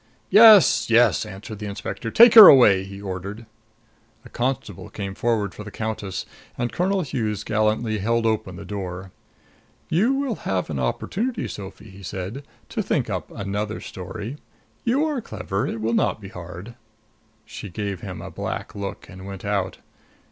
"Yes, yes," answered the inspector. "Take her away!" he ordered. A constable came forward for the countess and Colonel Hughes gallantly held open the door. "You will have an opportunity, Sophie," he said, "to think up another story. You are clever it will not be hard." She gave him a black look and went out.